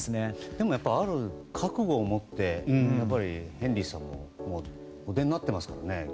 でも、覚悟を持ってヘンリーさんはお出になってますからね。